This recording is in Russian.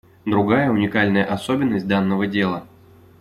Другая уникальная особенность данного дела.